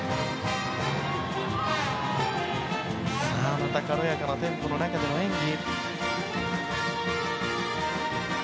また軽やかなテンポの中での演技。